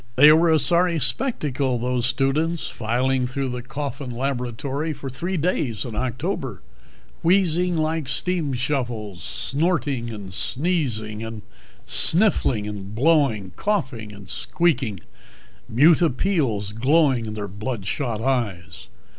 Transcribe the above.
They were a sorry spectacle, those students filing through the Coffin laboratory for three days in October: wheezing like steam shovels, snorting and sneezing and sniffling and blowing, coughing and squeaking, mute appeals glowing in their blood shot eyes.